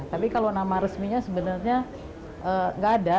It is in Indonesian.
tapi kalau nama resminya sebenarnya nggak ada